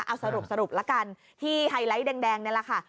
เอาสรุปละกันที่ไฮไลท์แดงนี่แหละค่ะ